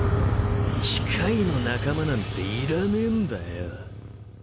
機械の仲間なんていらねえんだよ。